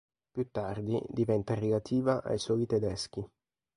Più tardi diventa relativa ai soli tedeschi.